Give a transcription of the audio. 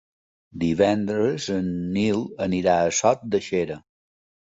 Divendres en Nil anirà a Sot de Xera.